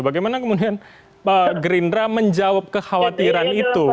bagaimana kemudian gerindra menjawab kekhawatiran itu